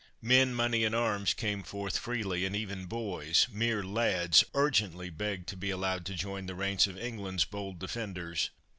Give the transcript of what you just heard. Men, money, and arms, came forth freely, and even boys mere lads urgently begged to be allowed to join the ranks of England's bold defenders.